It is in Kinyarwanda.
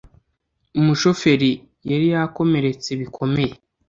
umushoferi yari yakomeretse bikomeye